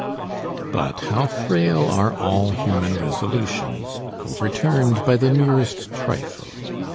But how frail are all human resolutions overturned by the merest trifle!